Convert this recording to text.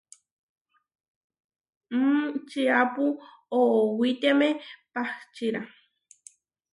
Mmm čiápu oʼowitiáme pahcirá.